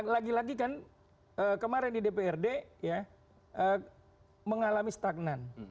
lagi lagi kan kemarin di dprd ya mengalami stagnan